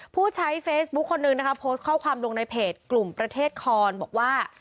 ผู้ใช้เฟซบุ๊คคนนึงนะคะโพสต์ข้อความลงในเพจกลุ่มประเทศคอนบอกว่า